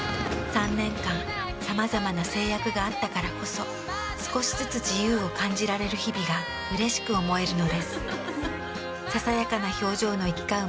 ３年間さまざまな制約があったからこそ少しずつ自由を感じられる日々がうれしく思えるのです。